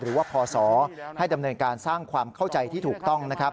หรือว่าพศให้ดำเนินการสร้างความเข้าใจที่ถูกต้อง